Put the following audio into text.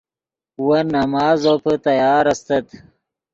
ون نماز زوپے تیار استت